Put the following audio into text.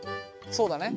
そうだね。